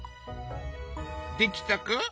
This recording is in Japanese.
できたか？